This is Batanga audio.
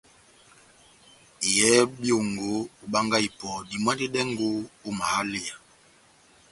Yɛhɛ byongo, obangahi ipɔ dimwanedɛngo ó mahaleya.